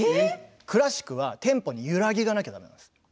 クラシックはテンポに揺らぎがなければいけないんです。